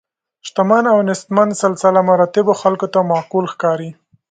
شتمن او نیستمن سلسله مراتبو خلکو ته معقول ښکاري.